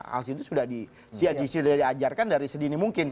hal itu sudah diajarkan dari sedini mungkin